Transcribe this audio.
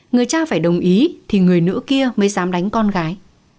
người cha phải đồng ý thì người nữ kia mới dám đánh con gái